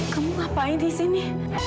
kamu ngapain di sini